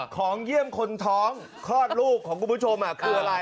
ของเยี่ยมคนท้องคลอดลูกของคุณผู้ชมคืออะไร